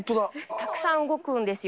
たくさん動くんですよ。